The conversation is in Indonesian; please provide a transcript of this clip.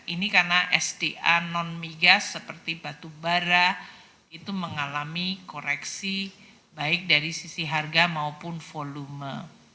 ini karena sda non migas seperti batu bara itu mengalami koreksi baik dari sisi harga maupun volume